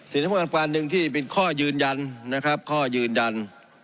ที่สำคัญการหนึ่งที่เป็นข้อยืนยันนะครับข้อยืนยัน